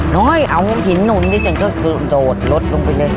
น้อยเอาหินหนุนนี่ฉันก็กระโดดรถลงไปเลย